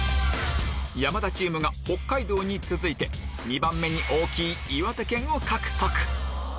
山田チームが北海道に続いて２番目に大きい岩手県を獲得！